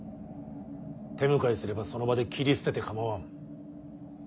手向かいすればその場で斬り捨てて構わん。